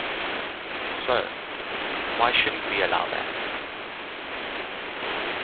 So, why shouldn't we allow that?